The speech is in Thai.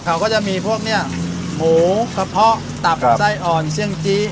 เขาก็จะมีพวกเนี่ยหมูกระเพาะตับไส้อ่อนเสี่ยงจี้